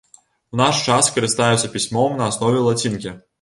У наш час карыстаюцца пісьмом на аснове лацінкі.